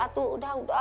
aduh sudah sudah